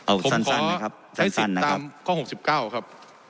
เอ่อสั้นสั้นนะครับสั้นสั้นนะครับผมขอให้สิทธิ์ตามข้อหกสิบเก้าครับ